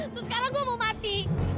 terus sekarang gue mau mati